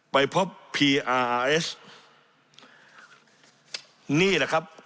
ไปพบพีอาร์เอสนี่แหละครับ